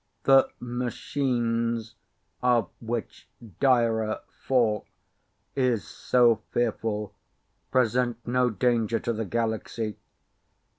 The "Machines" of which DIRA IV is so fearful present no danger to the galaxy.